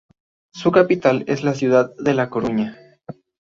Su capital es la ciudad de La Coruña.